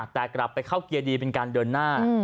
แต่กลับไปเข้าเกียร์ดีเป็นการเดินหน้า